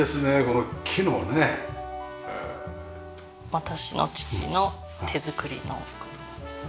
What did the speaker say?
私の父の手作りの車ですね。